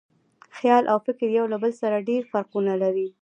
خیال او فکر یو له بل سره ډېر فرقونه لري.